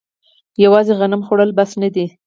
یوازې غنم خوړل بس نه دي.